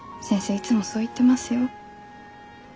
いつもそう言ってますよ？